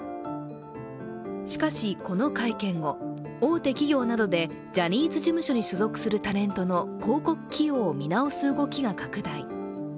しかし、この会見後、大手企業などでジャニーズ事務所に所属するタレントの広告起用を見直す動きが拡大。